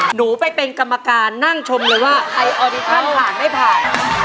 หนูไปเป็นกรรมการนั่งชมเลยว่าไอออดิทรัมผ่านไม่ผ่าน